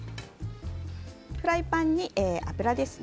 フライパンに油ですね。